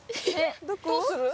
どうする？